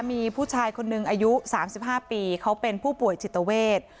มีผู้ชายคนหนึ่งอายุ๓๕ปีเขาเป็นผู้ป่วยจิตเวท